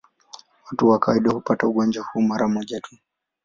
Watu kwa kawaida hupata ugonjwa huu mara moja tu.